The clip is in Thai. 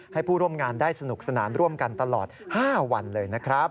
ให้ผู้ร่วมงานได้สนุกสนานร่วมกันตลอด๕วันเลยนะครับ